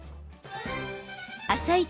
「あさイチ」